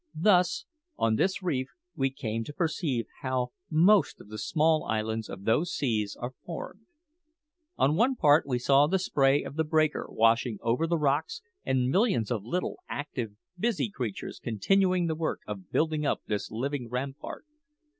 Thus, on this reef, we came to perceive how most of the small islands of those seas are formed. On one part we saw the spray of the breaker washing over the rocks, and millions of little, active, busy creatures continuing the work of building up this living rampart.